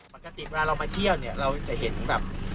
ปกติเวลาเรามาเที่ยวเนี่ยเราจะเห็นแบบ